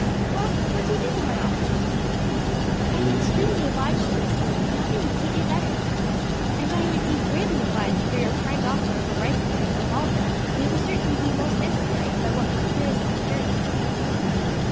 Well, what do you think of my offer?" "I am extremely obliged to you, sir; nothing could suit me better. And I am indeed greatly obliged for your kind offer of a rifle and revolver; they will certainly be most necessary, by what one hears of the journey."